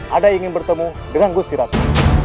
ada yang ingin bertemu dengan gusti ratu